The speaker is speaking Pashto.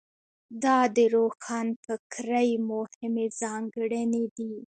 دا د روښانفکرۍ مهمې ځانګړنې دي.